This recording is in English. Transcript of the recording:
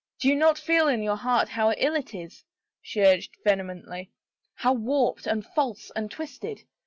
" Do you not feel in your heart how ill it is," she urged vehemently, " how warped and false and twisted